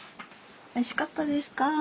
おいしかったですか？